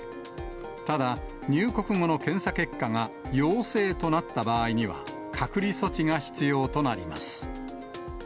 ただ、入国後の検査結果が陽性となった場合には、隔離措置が必要となります。